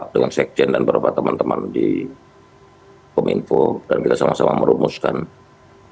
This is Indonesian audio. dengan sekjen dan beberapa teman teman di kominfo dan kita sama sama merumuskan dan kita sama sama merumuskan